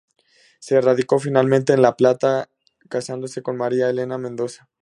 Se radicó finalmente en La Plata, casándose con María Elena Mendoza.